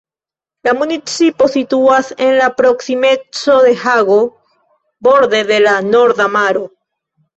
La municipo situas en la proksimeco de Hago, borde de la Norda Maro.